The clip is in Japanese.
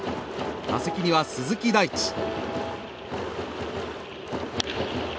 打席には鈴木大地。